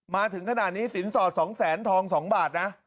มาถึงขนาดนี้สินสอด๒แสนทอง๒บาทนะ